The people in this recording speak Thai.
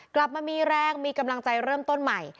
กลับมามีแรงมีกำลังใจเริ่มต้นใหม่